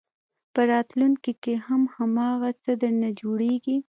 په راتلونکي کې هم هماغه څه درنه جوړېږي.